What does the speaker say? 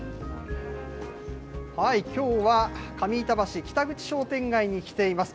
きょうは、上板橋北口商店街に来ています。